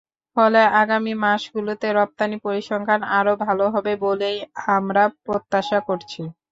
ফলে আগামী মাসগুলোতে রপ্তানি পরিসংখ্যান আরও ভালো হবে বলেই আমরা প্রত্যাশা করছি।